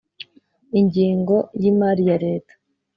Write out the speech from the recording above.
Ingingo y’imari ya Leta.